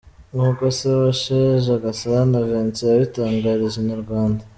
Nkuko Se wa Sheja, Gasana Vincent yabitangarije Inyarwanda.